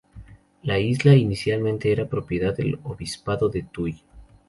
La isla inicialmente era propiedad del Obispado de Tui.